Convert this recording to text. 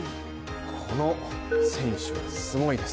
この選手もすごいです。